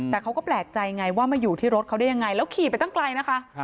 แต่เขาก็แปลกใจไงว่ามาอยู่ที่รถเขาได้ยังไงแล้วขี่ไปตั้งไกลนะคะ